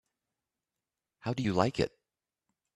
How do you like it?